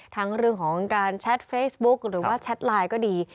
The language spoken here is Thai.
ทั้งเรื่องของการแชทเฟซบุ๊กหรือว่าแชทไลน์ก็ดี